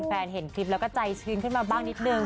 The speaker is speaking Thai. เห็นคลิปแล้วก็ใจชื้นขึ้นมาบ้างนิดนึง